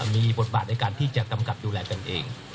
มีบทบาทในการที่จะกำกับดูแลตนเอง